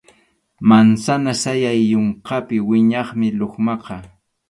Mansana sayay yunkapi wiñaqmi lukmaqa.